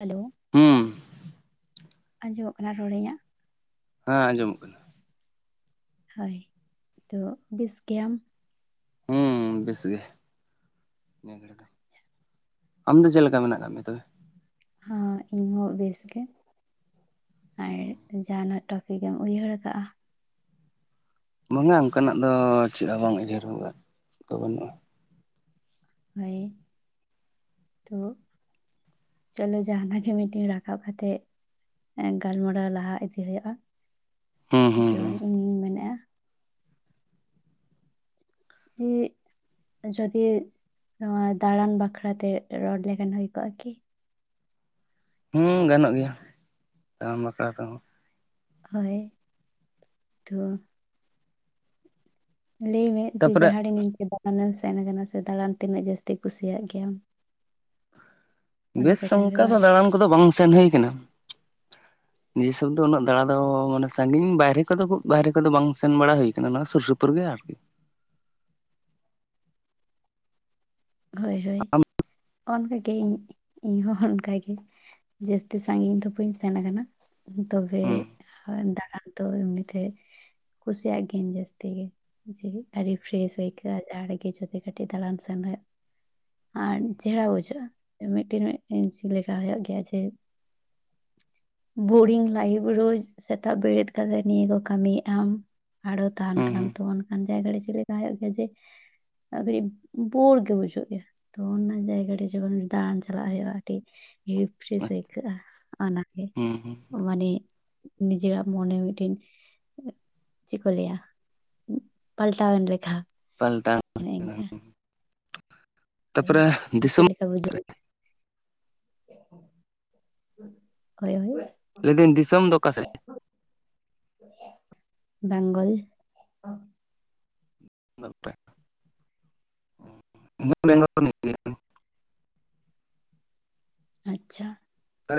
Hello ᱦᱩᱸ ᱟᱡᱚᱢᱚᱜ ᱠᱟᱱᱟ ᱨᱚᱲ ᱤᱧᱟᱜ ᱦᱮᱸ ᱟᱸᱡᱚᱢᱚᱜ ᱠᱟᱱᱟ ᱦᱳᱭ ᱛᱚ ᱵᱮᱥ ᱜᱮᱭᱟᱢ ᱦᱮᱸ ᱵᱮᱥ ᱜᱮ ᱱᱤᱭᱟᱹ ᱜᱷᱟᱹᱲᱤ ᱫᱚ ᱟᱢ ᱫᱚ ᱪᱮᱫ ᱞᱮᱠᱟ ᱢᱮᱱᱟᱜ ᱠᱟᱜ ᱢᱮᱭᱟ ᱛᱚᱵᱮ ᱦᱚᱸ ᱤᱧ ᱵᱮᱥ ᱜᱮ ᱟᱨ ᱡᱟᱦᱟᱱᱟᱜ ᱴᱚᱯᱤᱠᱮᱢ ᱩᱭᱦᱟᱹᱨ ᱠᱟᱜᱼᱟ ᱵᱟᱝᱟ ᱚᱱᱠᱟᱱᱟᱜ ᱫᱚ ᱪᱮᱫ ᱦᱚᱸ ᱵᱟᱝ ᱩᱭᱦᱟᱹᱨ ᱫᱚ ᱵᱟᱹᱱᱩᱜᱼᱟ ᱳᱭᱟᱱᱻᱴᱩ ᱪᱚᱞᱚ ᱡᱟᱦ ᱜᱮ ᱢᱤᱫᱴᱤ ᱨᱟᱠᱟᱵᱽ ᱠᱟᱛᱮ ᱜᱟᱞᱢᱟᱨᱟᱣ ᱞᱟᱦᱟ ᱤᱫᱤ ᱦᱩᱭᱩᱜᱼᱟ ᱦᱩᱸ ᱦᱩᱸ ᱟᱫᱚ ᱦᱩᱸ ᱤᱧᱤᱧ ᱢᱮᱱᱮᱫᱼᱟ ᱦᱮᱸ ᱡᱚᱫᱤ ᱱᱚᱣᱟ ᱫᱟᱬᱟᱱ ᱵᱟᱠᱷᱨᱟᱛᱮ ᱨᱚᱲ ᱞᱮᱠᱷᱟᱱ ᱦᱩᱭ ᱠᱚᱜᱼᱟ ᱠᱤ ᱦᱮᱸ ᱜᱟᱱᱚᱜ ᱜᱮᱭᱟ ᱫᱟᱬᱟᱱ ᱵᱟᱠᱷᱲᱟ ᱨᱮᱦᱚᱸ ᱦᱳᱭ ᱛᱚ ᱞᱟᱹᱭ ᱢᱮ ᱡᱮ ᱛᱟᱯᱚᱨᱮ ᱡᱟᱦᱟᱸᱨᱮ ᱱᱤᱝᱠᱟᱹ ᱫᱟᱬᱟᱱᱮᱢ ᱛᱟᱦᱮᱱ ᱠᱟᱱᱟ ᱥᱮ ᱫᱟᱬᱟᱱ ᱛᱤᱱᱟᱹᱜ ᱡᱟᱹᱥᱛᱤ ᱠᱩᱥᱤᱭᱟᱜ ᱜᱮᱭᱟᱢ ᱚᱱᱟ ᱵᱮᱥ ᱪᱮᱛᱟᱱ ᱨᱮ ᱚᱱᱠᱟ ᱵᱟᱨ ᱫᱚ ᱫᱟᱬᱟᱱ ᱠᱚᱫᱚ ᱵᱟᱝ ᱥᱮᱱ ᱦᱩᱭ ᱠᱟᱱᱟ [inaudible] ᱱᱤᱡᱮ ᱥᱚᱵ ᱫᱚ ᱩᱱᱟᱹᱜ ᱫᱟᱬᱟ ᱫᱚ ᱢᱟᱱᱮ ᱥᱟᱺᱜᱤᱧ ᱵᱟᱭᱦᱨᱮ ᱠᱚᱫᱚ ᱵᱟᱭᱦᱨᱮ ᱠᱚᱫᱚ ᱵᱟᱝ ᱥᱮᱱ ᱵᱟᱲᱟ ᱦᱩᱭᱠᱟᱱᱟ ᱱᱚᱣᱟ ᱥᱩᱨ ᱥᱩᱯᱩᱨ ᱜᱮ ᱟᱨᱠᱤ [inaudible] ᱦᱳᱭ ᱦᱳᱭ ᱚᱱᱠᱟᱜᱮ ᱤᱧ ᱤᱧ ᱦᱚᱸ ᱚᱱᱠᱟᱜ ᱜᱮ ᱡᱟᱹᱥᱛᱤ ᱥᱟᱺᱜᱤᱧ ᱫᱚ ᱵᱚᱧ ᱥᱮᱱ ᱠᱟᱱᱟ ᱛᱚᱵᱮ ᱦᱩᱸ ᱫᱟᱬᱟᱱᱛᱚ ᱮᱢᱱᱤᱛᱮ ᱠᱩᱥᱭᱟᱜ ᱜᱮᱧ ᱡᱟᱹᱟᱥᱛᱤ ᱜᱮ ᱯᱷᱮᱥ ᱦᱳᱭ ᱠᱚᱜ-ᱟ ᱡᱟᱦᱟᱨᱮᱜᱮ ᱡᱩᱫᱤ ᱠᱟᱹᱴᱤᱡᱠᱤ ᱫᱟᱲᱟᱱ ᱥᱮᱱ ᱦᱳᱭᱳᱜ ᱟᱨ ᱪᱮᱦᱨᱟ ᱵᱩᱡᱷᱟᱹᱜᱼᱟ ᱢᱤᱫᱴᱤᱱ ᱪᱮᱫᱮ ᱞᱮᱠᱟ ᱦᱩᱭᱩᱜ ᱜᱮᱭᱟ ᱡᱮ ᱦ [inaudible] ᱵᱳᱨᱤᱝ ᱞᱟᱭᱤᱯᱷ ᱨᱳᱡ ᱥᱮᱛᱟᱜ ᱵᱮᱨᱮᱫ ᱠᱟᱛᱮᱫ ᱱᱤᱭᱟᱹ ᱠᱚ ᱠᱟᱹᱢᱤᱭᱮᱜ ᱟᱢ ᱟᱨᱦᱚ ᱛᱟᱦᱮᱱ ᱦᱩᱸ ᱠᱟᱱᱟ ᱛᱚ ᱚᱱᱠᱟᱱ ᱡᱟᱭᱜᱟ ᱨᱮ ᱪᱮᱞᱮ ᱛᱟᱸᱦᱮ ᱦᱳᱭᱳᱜ ᱜᱮᱭᱟ ᱡᱮ ᱟᱰᱤ ᱵᱳᱨ ᱜᱮ ᱵᱩᱡᱟᱹᱜ ᱜᱮᱭᱟ ᱛᱚ ᱚᱱᱟ ᱡᱟᱭᱜᱟ ᱨᱮ ᱡᱚᱠᱷᱚᱱ ᱫᱟᱬᱟᱱ ᱪᱟᱞᱟᱜ ᱦᱩᱭᱩᱜᱼᱟ ᱟᱹᱰᱤ ᱨᱤᱯᱷᱨᱤᱥ ᱦᱩᱸ ᱟᱹᱭᱠᱟᱹᱜᱼᱟ ᱚᱱᱟ ᱦᱩᱸ ᱦᱩᱸ ᱢᱟᱱᱮ ᱱᱤᱡᱮᱨᱟᱜ ᱢᱚᱱᱮ ᱢᱤᱫᱴᱮᱱ ᱪᱮᱫ ᱠᱚ ᱞᱟᱹᱭᱟ ᱯᱟᱞᱴᱟᱣᱮᱱ ᱞᱮᱠᱟ ᱯᱟᱞᱴᱟᱣ ᱦᱮ ᱤᱱᱠᱟᱹ ᱦᱮ ᱛᱟᱯᱚᱨᱮ ᱪᱮᱫ ᱫᱤᱥᱚᱢ ᱞᱮᱠᱟ ᱵᱩᱡᱷᱟᱹᱣ ᱦᱳᱭ ᱦᱳᱭ ᱞᱟᱹᱭᱫᱟᱹᱧ ᱫᱤᱥᱚᱢ ᱫᱚ ᱚᱠᱟ ᱥᱮᱫ ᱵᱮᱝᱜᱚᱞ ᱤᱧ ᱵᱮᱝᱜᱚᱞ ᱜᱮ ᱟᱪᱪᱷᱟ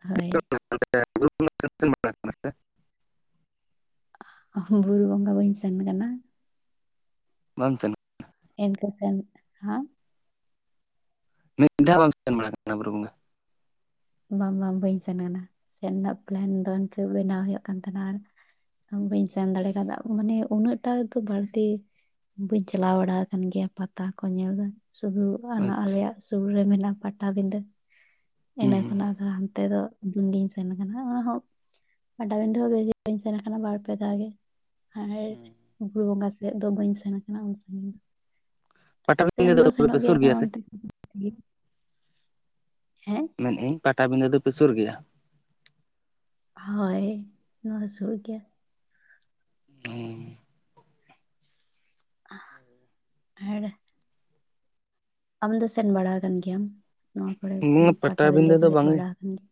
ᱦᱳᱭ [unintelligible] ᱵᱩᱨᱩ ᱵᱚᱸᱜᱟ ᱵᱟᱹᱧ ᱥᱮᱱ ᱠᱟᱱᱟ᱾ ᱵᱟᱢ ᱪᱟᱞᱟ ᱥᱮᱱ ᱦᱮᱸ ᱢᱤᱫ ᱫᱷᱟ ᱵᱟᱢᱴᱭ ᱥᱮᱱ ᱵᱟᱲᱟ ᱟᱠᱟᱱᱟ ᱵᱩᱨᱩ ᱵᱚᱸᱜᱟ? ᱵᱟᱝ ᱵᱟᱝ ᱵᱟᱹᱧ ᱥᱮᱱ ᱟ ᱥᱮ ᱮᱫ ᱨᱮᱱᱟᱜ ᱯᱞᱮᱱ ᱫᱚ ᱱᱤᱱᱠᱟᱹ ᱵᱮᱱᱟᱣ ᱦᱩᱭᱩᱜ ᱠᱟᱱ ᱛᱟᱦᱮᱱᱟ ᱵᱟᱹᱧ ᱥᱮᱱ ᱫᱟᱲᱮ ᱠᱟᱣᱫᱟ ᱢᱟᱱᱮ ᱩᱱᱟᱹᱜᱴᱟᱛ ᱵᱟᱹᱲᱛᱤ ᱵᱟᱹᱧ ᱪᱟᱞᱟᱣ ᱵᱟᱲᱟ ᱟᱠᱟᱱ ᱜᱮᱭᱟ ᱯᱟᱛᱟ ᱠᱚ ᱧᱮᱞ ᱫᱚ ᱥᱩᱫᱷᱩ ᱚᱱᱟ ᱟᱪᱪᱷᱟ ᱟᱞᱮᱭᱟᱜ ᱥᱩᱨ ᱨᱮ ᱢᱮᱱᱟᱜᱼᱟ᱾ ᱯᱟᱴᱟᱵᱤᱸᱫᱟᱹ ᱦᱩᱸ ᱤᱱᱟᱹ ᱦᱩᱸ ᱠᱷᱚᱱᱟᱜ ᱫᱚ ᱦᱟᱱᱛᱮ ᱫᱚ ᱫᱤᱱ ᱜᱤᱧ ᱥᱮᱱ ᱠᱟᱱᱟ ᱚᱱᱟ ᱦᱚᱸ ᱯᱟᱴᱟᱵᱤᱰᱟᱹ ᱦᱚᱸ ᱵᱮᱥᱤᱧ ᱥᱮᱱ ᱠᱟᱱᱟ ᱵᱟᱨ-ᱯᱮ ᱫᱷᱟᱣ ᱜᱮ ᱟᱨ ᱦᱩᱸ ᱵᱩᱨᱩ ᱵᱚᱸᱜᱟ ᱥᱮᱫ ᱫᱚ ᱵᱟᱹᱧ ᱥᱮᱱ ᱠᱟᱱᱟ᱾ ᱩᱱ ᱥᱟᱜᱤᱧ ᱫᱚ ᱥᱮᱱ ᱯᱟᱴᱟᱵᱤᱸᱫᱟᱹ ᱫᱚ ᱛᱚᱵᱮ ᱯᱮ ᱥᱮᱱᱚᱜ ᱥᱩᱨ ᱜᱮᱭᱟ ᱥᱮ ᱤᱥᱜᱮ ᱦᱮᱸ ᱢᱮᱱᱮᱜ ᱟᱹᱧ ᱯᱟᱴᱟᱵᱤᱸᱫᱟᱹ ᱫᱚ ᱯᱮ ᱥᱩᱨ ᱜᱮᱭᱟ? ᱦᱳᱭ, ᱱᱚᱣᱟ ᱥᱩᱨ ᱜᱮᱭᱟ᱾ ᱚᱦ ᱟᱨ ᱟᱢ ᱫᱚ ᱥᱮᱱ ᱵᱟᱲᱟ ᱟᱠᱟᱱ ᱜᱮᱭᱟᱢ? ᱱᱚᱣᱟ ᱠᱚᱨᱮᱜ ᱯᱟᱴᱟᱵᱤᱸᱫᱷᱟᱹ ᱯᱟᱴᱟᱵᱤᱸᱫᱟᱹ ᱠᱚ ᱫᱚ ᱦᱮᱡ ᱵᱟᱝ ᱵᱟᱲᱟ ᱟᱠᱟᱱ ᱜᱮᱭᱟ?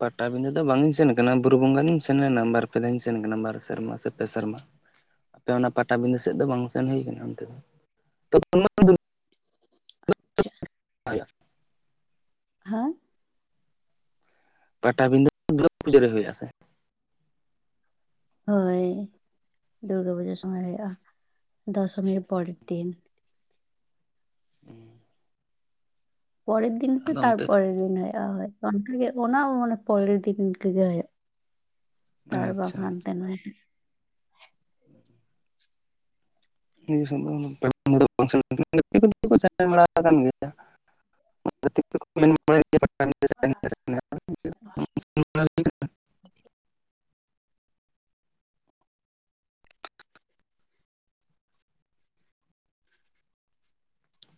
ᱯᱟᱴᱟᱵᱤᱸᱫᱟᱹ ᱫᱚ ᱵᱟᱝ ᱤᱧ ᱥᱮᱱ ᱠᱟᱱᱟ ᱵᱩᱨᱩ ᱵᱚᱸᱜᱟ ᱜᱤᱧ ᱥᱮᱱ ᱞᱮᱱᱟ ᱵᱟᱨᱯᱮ ᱫᱷᱟᱣᱧ ᱥᱮᱱ ᱠᱟᱱᱟ ᱵᱟᱨ ᱥᱮᱨᱢᱟ ᱥᱮ ᱯᱮ ᱥᱮᱨᱢᱟ ᱟᱯᱮ ᱚᱱᱟ ᱯᱟᱴᱟᱵᱤᱸᱫᱟᱹ ᱥᱮᱫ ᱫᱚ ᱵᱟᱝ ᱥᱮᱱ ᱦᱩᱭ ᱠᱟᱱᱟ ᱚᱱᱛᱮ ᱫᱚ ᱛᱚᱠᱷᱚᱱ ᱟᱪᱪᱷᱟ [inaudible] ᱦᱮᱸ ᱯᱟᱴᱟᱵᱤᱸᱫᱟᱹ ᱯᱩᱡᱟᱹᱨᱮ ᱦᱩᱭᱩᱜ ᱟᱥᱮ? ᱦᱳᱭ ᱫᱩᱨᱜᱟᱹ ᱯᱩᱡᱟᱹ ᱥᱚᱢᱚᱭ ᱦᱩᱭᱩᱜᱼᱟ᱾ ᱫᱚᱥᱚᱢᱤᱨ ᱯᱚᱨᱮᱨ ᱫᱤᱱ ᱯᱚᱨᱮᱨ ᱫᱤᱱ ᱥᱮ ᱟᱫᱚ ᱚᱱᱛᱮ ᱛᱟᱨᱯᱚᱨᱮᱨ ᱫᱤᱱ ᱚᱱᱠᱟᱜᱮ ᱚᱱᱟ ᱢᱟᱱᱮ ᱯᱚᱨᱮᱨ ᱫᱤᱱ ᱤᱱᱠᱟᱹ ᱜᱮ ᱦᱩᱭᱩᱜᱼᱟ᱾ ᱛᱟᱨ ᱵᱟ ᱵᱷᱟᱱ ᱛᱮᱱ ᱦᱮᱸ ᱩᱱ ᱫᱚ ᱥᱮ ᱜᱟᱛᱮ ᱠᱚ ᱠᱚ ᱥᱮ ᱵᱟᱲᱟ ᱟᱠᱟᱱ ᱜᱮᱭᱟ [inaudible] [inaudible]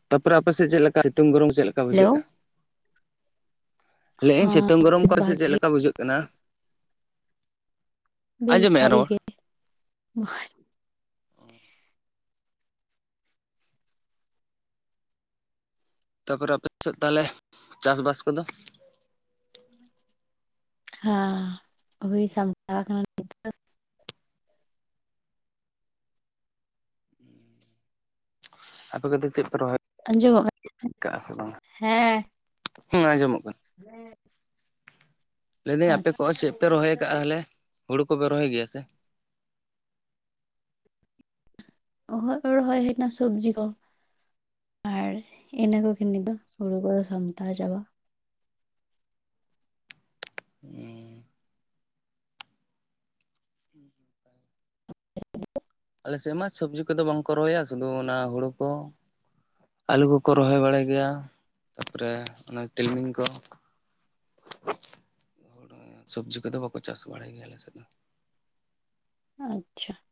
ᱛᱟᱨᱯᱚᱨᱮ ᱟᱯᱮ ᱥᱮᱫ ᱪᱮᱫ ᱞᱮᱠᱟ ᱥᱤᱛᱩᱝ ᱜᱚᱨᱚᱢ ᱪᱮᱫ ᱞᱮᱠᱟ ᱦᱮᱞᱳ ᱵᱩᱡᱷᱟᱹᱜᱼᱟ? ᱞᱟᱹᱭᱮᱜᱟᱹᱧ ᱥᱤᱛᱩᱝ ᱦᱮᱸ ᱜᱚᱨᱚᱢ ᱵᱮᱥ ᱠᱚᱞ ᱥᱮ ᱪᱮᱫ ᱵᱷᱟᱜᱮ ᱞᱮᱠᱟ ᱵᱩᱡᱷᱟᱹᱜ ᱠᱟᱱᱟ? ᱵᱮᱥ ᱟᱸᱡᱚᱢᱮᱜᱼᱟ ᱵᱷᱟᱜᱮ ᱨᱚᱲ ᱜᱮ ᱛᱟᱨᱯᱚᱨᱮ ᱟᱯᱮ ᱥᱮᱫ ᱛᱟᱦᱚᱞᱮ ᱪᱟᱥᱵᱟᱥ ᱠᱚᱫᱚ? ᱦᱩᱭ ᱥᱟᱢᱴᱟ ᱠᱟᱱᱟ᱾ ᱟᱯᱮᱛ ᱪᱮᱫ ᱯᱮ ᱨᱚᱦᱚᱭ ᱟᱸᱡᱚᱢᱚᱜ ᱠᱟᱜᱼᱟ ᱥᱮ ᱵᱟᱝ? ᱦᱮᱸ ᱦᱮᱸ ᱟᱸᱡᱚᱢᱚᱜ ᱠᱟᱱᱟ ᱦᱮ ᱞᱟᱹᱭᱫᱟᱹᱧ ᱟᱯᱮ ᱠᱚ ᱪᱮᱫ ᱯᱮ ᱨᱚᱦᱚᱭ ᱟᱠᱟᱫᱼᱟ? ᱛᱟᱦᱚᱞᱮ ᱦᱩᱲᱩ ᱠᱚᱯᱮ ᱨᱚᱦᱚᱭ ᱜᱮᱭᱟ ᱥᱮ? ᱦᱚ ᱨᱚᱦᱚᱭ ᱦᱩᱭᱱᱟ ᱥᱚᱵᱽᱡᱤ ᱠᱚ ᱟᱨ ᱤᱱᱟᱹ ᱠᱚ ᱫᱚ ᱦᱩᱲᱩ ᱠᱚ ᱥᱟᱢᱴᱟᱣ ᱪᱟᱵᱟ ᱦᱮᱸ [inaudible] ᱟᱞᱮ ᱥᱮᱫ ᱢᱟ ᱥᱚᱵᱡᱤ ᱠᱚᱫᱚ ᱵᱟᱝ ᱠᱚ ᱨᱚᱦᱚᱭᱟ᱾ ᱥᱩᱫᱷᱩ ᱚᱱᱟ ᱦᱩᱲᱩ ᱠᱚ ᱟᱹᱞᱩ ᱠᱚᱠᱚ ᱨᱚᱦᱚᱭ ᱵᱟᱲᱟᱭ ᱜᱮᱭᱟ ᱛᱟᱨᱯᱚᱨᱮ ᱚᱱᱟ ᱛᱤᱞᱢᱤᱧ ᱠᱚ ᱥᱚᱵᱡᱤ ᱠᱚᱫᱚ ᱵᱟᱠᱚ ᱪᱟᱥ ᱵᱟᱲᱟᱭ ᱜᱮᱭᱟ ᱟᱞᱮ ᱥᱮᱫ ᱫᱚ ᱟᱪᱪᱷᱟ [inaudible]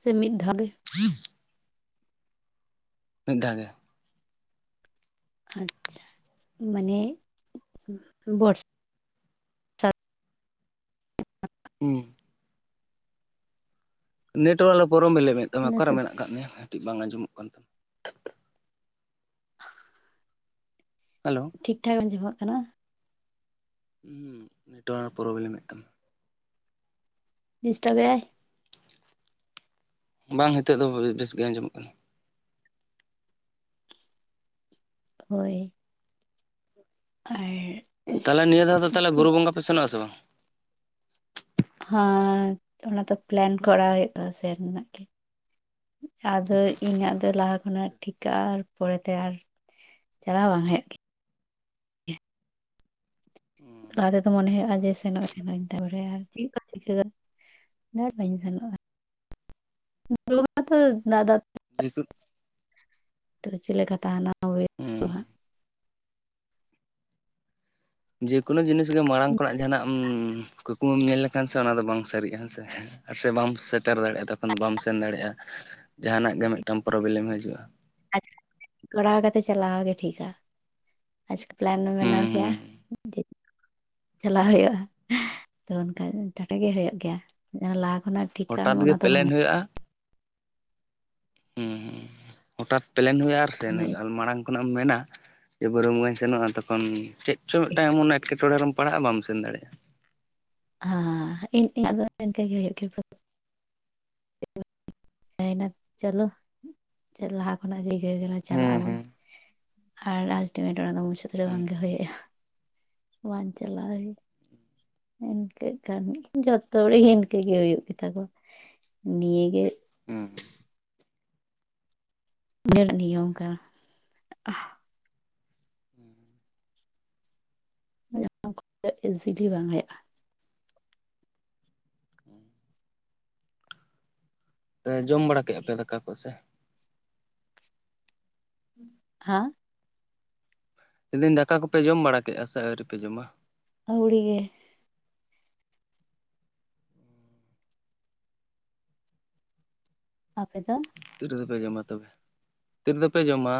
ᱥᱮ ᱢᱤᱫ ᱫᱷᱟᱣ ᱜᱮ ᱢᱤᱫ ᱫᱷᱟᱣ ᱜᱮ ᱟᱪᱪᱷᱟ ᱢᱟᱱᱮ [unintelligible] ᱦᱮᱸ ᱱᱮᱴᱣᱟᱨ [unintelligible] ᱞᱟᱹᱭᱮᱫ ᱛᱟᱢᱟ ᱚᱠᱟᱨᱮ ᱢᱮᱱᱟᱜ ᱠᱫ ᱢᱮᱭᱟ ᱠᱟᱹᱴᱤᱡ ᱵᱟᱝ ᱟᱸᱡᱚᱢᱚᱜ ᱠᱟᱱ ᱛᱟᱢᱟ ᱦᱮᱞᱳ ᱴᱷᱤᱠ ᱴᱷᱟᱠ ᱟᱸᱡᱚᱢᱚᱜ ᱠᱟᱱᱟ ᱦᱩ ᱱᱮᱴᱚᱣᱟᱨ ᱮ ᱯᱨᱚᱵᱞᱮᱢᱮᱫ ᱛᱟᱢᱟ ᱰᱤᱥᱴᱟᱵ ᱮᱜᱟᱭ ᱵᱟᱝ ᱱᱤᱛᱚᱜ ᱫᱚ ᱵᱮᱥ ᱜᱮ ᱟᱸᱡᱚᱢᱚᱜ ᱠᱟᱱᱟ ᱦᱳᱭ ᱟᱨ ᱛᱟᱦᱚᱞᱮ ᱱᱤᱭᱟᱹ ᱫᱷᱟᱣ ᱫᱚ ᱛᱟᱦᱚᱞᱮ ᱵᱩᱨᱩ ᱵᱚᱸᱜᱟ ᱯᱮ ᱥᱮᱱᱚᱜ ᱟᱥᱮ ᱵᱟᱝ ᱦᱮᱸ ᱚᱱᱟ ᱫᱚ ᱯᱞᱮᱱ ᱠᱚᱨᱟᱣ ᱦᱩᱭᱩᱜᱼᱟ ᱥᱮᱱ ᱨᱮᱱᱟᱜ ᱜᱮ ᱟᱫᱚ ᱤᱧᱟᱹᱜ ᱫᱚ ᱞᱟᱦᱟ ᱩᱱᱟ. ᱜ ᱴᱷᱤᱠᱟ ᱟᱨ ᱯᱚᱨᱮᱛᱮ ᱟᱨ ᱪᱟᱞᱟᱣ ᱵᱟᱝ ᱦᱩᱭᱩᱜ ᱜᱮᱭᱟ ᱞᱟᱦᱟ ᱛᱮᱫᱚ ᱢᱚᱱᱮ ᱦᱩᱭᱩᱜᱼᱟ ᱡᱮ ᱥᱮᱱᱚᱜᱼᱟᱧ ᱥᱮᱱᱚᱜ ᱟ. ᱧ ᱛᱟᱯᱚᱨᱮ ᱦᱟᱜ ᱪᱮᱫ ᱠᱚ ᱪᱤᱠᱟᱹᱜᱼᱟ ᱵᱟ. ᱧ ᱥᱮᱱᱚᱜ ᱟ [unintelligible] [unintelligible] ᱛᱚᱵ ᱪᱮᱫ ᱞᱮᱠᱟ ᱛᱟᱦᱮᱱᱟ [unintelligible] ᱦᱩᱸ ᱡᱮᱠᱳᱱᱳ ᱡᱤᱱᱤᱥ ᱜᱮ ᱢᱟᱲᱟᱝ ᱠᱷᱚᱱᱟᱜ ᱡᱟᱦᱟᱱᱟᱜ ᱠᱩᱠᱢᱩᱢ ᱧᱮᱞ ᱞᱮᱠᱷᱟᱱ ᱠᱷᱟᱱ ᱥᱮ ᱚᱱᱟ ᱫᱚ ᱵᱟᱝ ᱥᱟᱹᱨᱤᱜᱼᱟ ᱦᱮᱸᱥᱮ ᱥᱮ ᱵᱟᱢ ᱥᱮᱴᱮᱨ ᱫᱟᱲᱮᱭᱟᱜᱼᱟ ᱛᱚᱠᱷᱚᱱ ᱫᱚ ᱵᱟᱢ ᱥᱮᱱ ᱫᱟᱲᱮᱭᱟᱜᱼᱟ ᱡᱟᱦᱟᱱᱟᱜ ᱜᱮ ᱢᱤᱫᱴᱟᱝ ᱯᱨᱚᱵᱞᱮᱢ ᱦᱤᱡᱩᱜᱼᱟ ᱟᱪᱠᱟ ᱠᱚᱨᱟᱣ ᱠᱟᱛᱮ ᱪᱟᱞᱟᱣ ᱜᱮ ᱴᱷᱤᱠᱟ ᱟᱪᱠᱟ ᱯᱞᱮᱱ ᱦᱩᱸ ᱵᱮᱱᱟᱣ ᱠᱮᱭᱟ ᱦᱩᱸ ᱪᱟᱞᱟᱣ ᱦᱩᱭᱩᱜᱼᱟ ᱛᱚ ᱚᱱᱠᱟ ᱴᱟᱴᱟ ᱜᱮ ᱦᱩᱭᱩᱜ ᱜᱮᱭᱟ ᱞᱟᱦᱟ ᱩᱱᱟ. ᱜ ᱴᱤᱠᱟ ᱦᱚᱴᱟᱛ ᱚᱱᱟ ᱜᱮ ᱫᱚ ᱯᱞᱮᱱ ᱵᱟᱝᱤᱧ [unintelligible] ᱦᱮᱸ ᱦᱩᱸ ᱦᱚᱴᱟᱛ ᱯᱞᱮᱱ ᱦᱩᱭᱩᱜᱼᱟ ᱟᱨ ᱥᱮᱱ ᱦᱳᱭ ᱦᱩᱭᱩᱜᱼᱟ ᱢᱟᱲᱟᱝ ᱠᱷᱚᱱᱟᱜ ᱮᱢ ᱢᱮᱱᱟ ᱡᱮ ᱵᱩᱨᱩᱢ ᱜᱚᱸᱡᱽ ᱥᱮᱱᱚᱜᱼᱟ ᱛᱚᱠᱷᱚᱱ ᱪᱮᱫ ᱪᱚ ᱢᱤᱫᱴᱟᱱ ᱮᱢᱚᱱ ᱮᱴᱠᱮᱴᱚᱬᱮ ᱨᱮᱢ ᱯᱟᱲᱦᱟᱜᱼᱟ ᱵᱟᱢ ᱥᱮᱱ ᱫᱟᱲᱮᱭᱟᱜᱼᱟ ᱦᱮᱸ ᱤᱧᱟᱹᱜ ᱫᱚ ᱤᱱᱠᱟᱹᱮ ᱦᱩᱭᱩᱜ ᱜᱮᱭᱟ [unintelligible] [inaudible] ᱪᱚᱞᱚ ᱞᱟᱦᱟ ᱠᱷᱚᱱᱟᱜ ᱡ [unintelligible] ᱪᱟᱞᱟᱜ ᱦᱩᱸ ᱟᱵᱚᱱ ᱦᱩᱸ ᱟᱨ ᱟᱞᱴᱤᱢᱮᱴ ᱚᱱᱟ ᱫᱚ ᱢᱩᱪᱟᱹᱫ ᱨᱮ ᱵᱟᱝᱜᱮ ᱦᱩᱭᱼᱟ ᱵᱟᱝ ᱪᱟᱞᱟᱣ ᱦᱩᱭᱩᱜ ᱤᱱᱠᱟᱹᱜ ᱠᱟᱱ ᱡᱚᱛᱚ ᱦᱚᱲᱜᱮ ᱤᱱᱠᱟᱹ ᱜᱮ ᱦᱩᱭᱩᱜ ᱜᱮᱛᱟ ᱠᱚᱣᱟ ᱱᱤᱭᱟᱹ ᱜᱮ ᱦᱮᱸ ᱦᱮᱸ ᱜᱮ ᱱᱤᱭᱚᱢ ᱠᱟᱱᱟ [unintelligible] ᱦᱮᱸ [inaudible] ᱵᱟᱝ ᱦᱩᱭᱩᱜᱼᱟ ᱡᱚᱢ ᱵᱟᱲᱟ ᱠᱮᱫᱼᱟ ᱯᱮ ᱫᱟᱠᱟ ᱠᱚ ᱥᱮ ᱦᱮᱸ ᱢᱮᱱᱫᱟ. ᱧ ᱫᱟᱠᱟ ᱠᱚᱯᱮ ᱡᱚᱢ ᱵᱟᱲᱟ ᱠᱮᱫᱼᱟ ᱥᱮ ᱟᱹᱣᱨᱤᱯᱮ ᱡᱚᱢᱟ ᱦᱩᱲᱩ ᱜᱮ ᱟᱯᱮ ᱫᱚ ᱛᱤ ᱨᱮᱫᱚᱯᱮ ᱡᱚᱢᱟ ᱛᱚᱵᱮ ᱛᱤᱨᱮ ᱫᱚ ᱯᱮ ᱡᱚᱢᱟ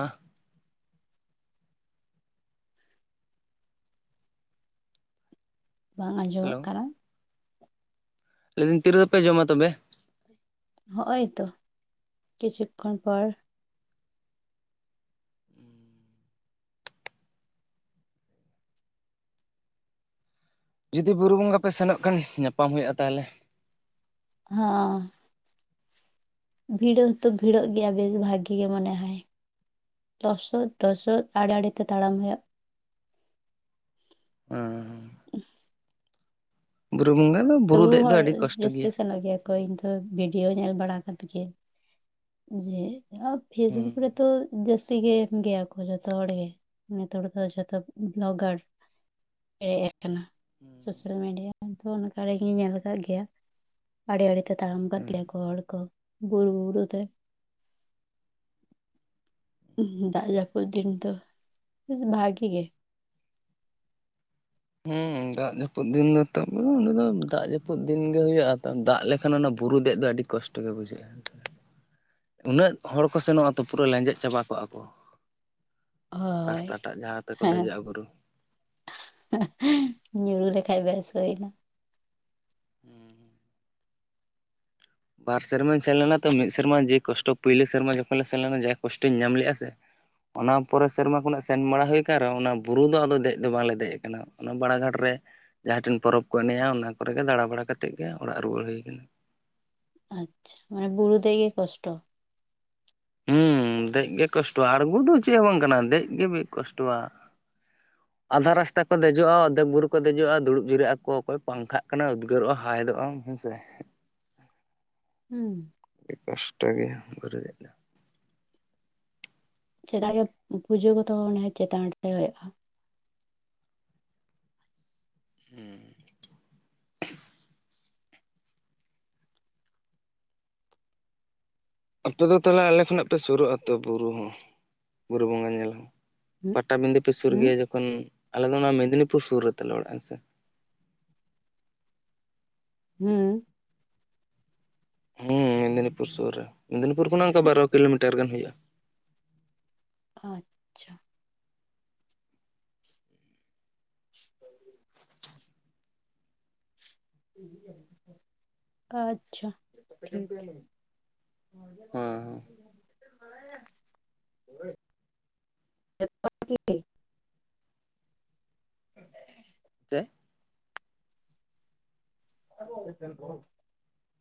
ᱵᱟᱝ ᱟᱸᱡᱚᱢᱚᱜ ᱠᱟᱱᱟ ᱞᱟᱹᱭᱫᱟ. ᱧ ᱛᱤ ᱨᱮᱫᱚ ᱯᱮ ᱡᱚᱢᱟ ᱛᱚᱵᱮ ᱦᱚᱜᱼᱚᱭ ᱛᱚ ᱠᱤᱪᱷᱩᱠ ᱠᱷᱚᱱ ᱯᱚᱨ ᱡᱩᱫᱤ ᱵᱩᱨᱩ ᱵᱚᱸᱜᱟ ᱯᱮ ᱥᱮᱱᱚᱜ ᱠᱷᱟᱱ ᱧᱟᱯᱟᱢ ᱦᱩᱭᱩᱜᱼᱟ ᱛᱟᱦᱚᱞᱮ᱾ ᱦᱚᱸ᱾ ᱵᱷᱤᱲᱟᱹ ᱦᱚᱸᱛᱚ ᱵᱷᱤᱲᱟᱹᱜ ᱜᱮᱭᱟ ᱵᱮᱜᱽ ᱵᱷᱟᱜᱤ ᱜᱮ ᱢᱚᱱᱮ ᱦᱟᱭ᱾ ᱴᱚᱥᱚᱫ ᱴᱚᱥᱚᱫ ᱟᱲᱮ ᱟᱲᱮᱛᱮ ᱛᱟᱲᱟᱢ ᱦᱩᱭᱩᱜ᱾ ᱩᱸᱦᱩᱸᱜ᱾ ᱵᱩᱨᱩ ᱵᱚᱸᱜᱟ ᱫᱚ ᱵᱩᱨᱩ ᱴᱩᱵᱩ ᱫᱮᱡ ᱫᱚ ᱦᱚᱲ ᱟᱹᱰᱤ ᱠᱚᱥᱴᱚ ᱡᱟᱹᱥᱛᱤ ᱥᱮᱱᱚᱜ ᱜᱮᱭᱟ ᱠᱚ [unintelligible] ᱤᱭᱟᱹ ᱧᱮᱞ ᱵᱟᱲᱟ ᱠᱟᱛᱮ ᱜᱮ ᱦᱩᱸ [unintelligible] ᱛᱤ ᱜᱮ ᱮᱢ ᱜᱮᱭᱟ ᱠᱚ ᱡᱚᱛᱚ ᱦᱚᱲ ᱜᱮ᱾ ᱱᱤᱛᱚᱜ ᱦᱚᱲ ᱫᱚ ᱡᱚᱛᱚ ᱵᱞᱚᱜᱟᱨ᱾ [unintelligible] ᱟᱠᱱᱟ ᱥᱳᱥᱟᱞ ᱢᱤᱰᱤᱭᱟ [inaudible] ᱚᱱᱟ ᱫᱟᱲᱮ ᱫᱩᱧ ᱧᱮᱞ ᱟᱠᱟᱜ ᱜᱮᱭᱟ᱾ ᱟᱲᱮ ᱟᱲᱮᱛᱮ ᱛᱟᱲᱟᱢ ᱠᱟᱫ ᱛᱟᱦᱮ ᱠᱚ ᱦᱚᱲ ᱠᱚ ᱵᱩᱨᱩ ᱵᱩᱨᱩᱛᱮ᱾ ᱩᱫ ᱜᱮ ᱫᱟᱜ ᱡᱟᱹᱯᱩᱫ ᱫᱤᱱ ᱫᱚ ᱵᱷᱟᱜᱤ ᱜᱮ᱾ [inaudible] ᱩᱸᱻ ᱫᱟᱜ ᱡᱟᱹᱯᱩᱫ ᱫᱤᱱ ᱫᱚ ᱛᱟᱵᱚ ᱚᱱᱟ ᱫᱚ ᱫᱟᱜ ᱡᱟᱹᱯᱩᱫ ᱫᱤᱱᱜᱮ ᱦᱩᱭᱩᱜᱼᱟ᱾ ᱫᱟᱜ ᱞᱮᱠᱷᱟᱱ ᱚᱱᱟ ᱵᱩᱨᱩ ᱫᱮᱡ ᱫᱚ ᱟᱹᱰᱤ ᱠᱚᱥᱴᱚ ᱜᱮ ᱵᱩᱡᱷᱟᱹᱜᱼᱟ᱾ ᱩᱱᱟᱹᱜ ᱦᱚᱲ ᱠᱚ ᱥᱮᱱᱚᱜᱼᱟ ᱛᱚ ᱯᱩᱨᱟᱹ ᱞᱮᱸᱡᱮᱫ ᱪᱟᱵᱟ ᱠᱚᱜᱼᱟ ᱠᱚ᱾ ᱦᱳᱭ ᱨᱟᱥᱛᱟᱴᱟᱜ ᱡᱟᱦᱟᱸ ᱛᱮᱠᱚ ᱦᱮᱸ ᱫᱮᱡᱚᱜᱼᱟ ᱵᱩᱨᱩ᱾ [unintelligible] ᱵᱮᱥ ᱦᱩᱭᱱᱟ [inaudible] ᱵᱟᱨ ᱥᱮᱨᱢᱟᱧ ᱥᱮᱱ ᱞᱮᱱᱟ ᱛᱚ ᱢᱤᱫ ᱥᱮᱨᱢᱟ ᱡᱮ ᱠᱚᱥᱴᱚ ᱯᱳᱭᱞᱳ ᱥᱮᱨᱢᱟ ᱡᱚᱠᱷᱚᱱ ᱞᱮ ᱥᱮᱱ ᱞᱮᱱᱟ ᱡᱟ ᱠᱚᱥᱴᱚᱧ ᱧᱟᱢ ᱞᱮᱜᱼᱟ ᱥᱮ᱾ ᱚᱱᱟ ᱯᱚᱨᱮ ᱥᱮᱨᱢᱟ ᱠᱷᱚᱱᱟᱜ ᱥᱮᱱ ᱵᱟᱲᱟ ᱦᱩᱭ ᱟᱠᱟᱱ ᱨᱮᱦᱚᱸ ᱚᱱᱟ ᱵᱩᱨᱩ ᱫᱚ ᱟᱫᱚ ᱫᱮᱡ ᱫᱚ ᱵᱟᱞᱮ ᱫᱮᱡ ᱟᱠᱟᱱᱟ᱾ ᱚᱱᱟ ᱵᱟᱲᱟᱜᱷᱟᱴ ᱨᱮ ᱡᱟᱦᱟᱸ ᱴᱷᱮᱱ ᱯᱚᱨᱚᱵᱽ ᱠᱚ ᱮᱱᱮᱡᱼᱟ ᱚᱱᱟ ᱠᱚᱨᱮ ᱜᱮ ᱫᱟᱬᱟ ᱵᱟᱲᱟ ᱠᱟᱛᱮᱜ ᱜᱮ ᱚᱲᱟᱜ ᱨᱩᱣᱟᱹᱲ ᱦᱩᱭ ᱟᱠᱟᱱᱟ᱾ [unintelligible] ᱚᱱᱟ ᱵᱩᱨᱩ ᱫᱮᱡ ᱜᱮ ᱠᱚᱥᱴᱚ᱾ ᱦᱩᱸᱻ ᱫᱮᱡ ᱜᱮ ᱠᱚᱥᱴᱚᱣᱟ᱾ ᱟᱹᱲᱜᱩ ᱫᱚ ᱪᱮᱫ ᱦᱚᱸ ᱵᱟᱝ ᱠᱟᱱᱟ᱾ ᱫᱮᱡ ᱜᱮ [unintelligible] ᱠᱚᱥᱴᱚᱣᱟ᱾ [inaudible] ᱟᱫᱷᱟ ᱨᱟᱥᱛᱟ ᱠᱚ ᱫᱮᱡᱚᱜᱼᱟ ᱚᱫᱷᱮᱠ ᱜᱩᱨᱩ ᱠᱚ ᱫᱮᱡᱚᱜᱼᱟ ᱫᱩᱲᱩᱵ ᱡᱤᱨᱟᱹᱜ ᱟᱠᱚ ᱚᱠᱚᱭ ᱯᱟᱝᱠᱷᱟᱜ ᱠᱟᱱᱟ ᱩᱫᱽᱜᱟᱹᱨᱚᱜᱼᱟ ᱦᱟᱣᱮᱫᱚᱜᱼᱟᱢ᱾ [unintelligible] ᱦᱩᱸ᱾ ᱠᱚᱥᱴᱚ ᱜᱮᱭᱟ [inaudible] [unintelligible] ᱯᱩᱡᱟᱹ ᱠᱚᱫᱚ [unintelligible] [unintelligible] ᱟᱯᱮ ᱫᱚ ᱛᱟᱦᱚᱞᱮ ᱟᱞᱮ ᱠᱷᱚᱱᱟᱜ ᱯᱮ ᱥᱩᱨᱩᱜᱼᱟ ᱛᱚ ᱵᱩᱨᱩ ᱦᱚᱸ᱾ ᱵᱩᱨᱩ ᱵᱚᱸᱜᱟ ᱧᱮᱞ᱾ ᱦᱩᱸ ᱯᱟᱴᱟᱵᱤᱸᱫᱟᱹ ᱯᱮ ᱥᱩᱨ ᱦᱩᱸ ᱜᱮᱭᱟ ᱡᱚᱠᱷᱚᱱ ᱟᱞᱮ ᱫᱚ ᱚᱱᱟ ᱢᱮᱫᱽᱱᱤᱯᱩᱨ ᱥᱩᱨ ᱨᱮ ᱛᱟᱞᱮ ᱚᱲᱟᱜ ᱦᱮᱸ ᱥᱮ᱾ ᱦᱩᱸᱻ᱾ ᱦᱩᱸᱻ ᱢᱮᱫᱽᱱᱤᱯᱩᱨ ᱥᱩᱨ ᱨᱮ᱾ ᱢᱮᱫᱽᱱᱤᱯᱩᱨ ᱠᱷᱚᱱᱟᱜ ᱫᱚ ᱵᱟᱨᱚ ᱠᱤᱞᱳᱢᱤᱴᱟᱨ ᱜᱟᱱ ᱦᱩᱭᱩᱜᱼᱟ᱾ [inaudible] [inaudible] [inaudible] ᱟᱪᱪᱷᱟ᱾ [inaudible] ᱦᱮᱸ ᱦᱮᱸ [unintelligible] [inaudible] ᱪᱮᱫ [unintelligible]